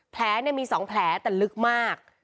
แผลมี๒แผลแต่ลึกมาก